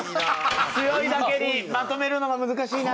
強いだけにまとめるのが難しいな。